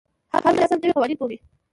هر نوی نسل نوي قوانین مومي.